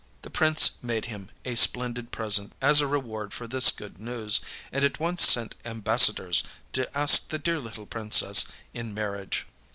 The Prince made him a splendid present as a reward for this good news, and at once sent ambassadors to ask the Dear Little Princess in marriage.